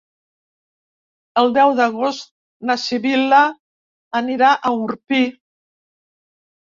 El deu d'agost na Sibil·la anirà a Orpí.